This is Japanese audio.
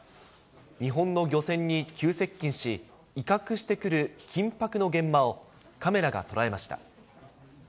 日本の漁船に急接近し、威嚇してくる緊迫の現場を、カメラが捉えました。